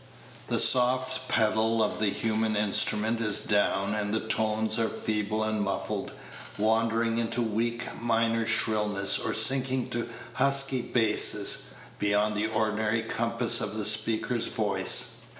The soft pedal of the human instrument is down, and the tones are feeble and muffled, wandering into weak minor shrillness, or sinking to husky basses, beyond the ordinary compass of the speaker's voice.